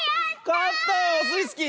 かったよオスイスキー！